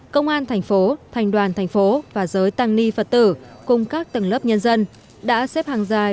công an thành phố thành đoàn thành phố và giới tăng ni phật tử cùng các tầng lớp nhân dân đã xếp hàng dài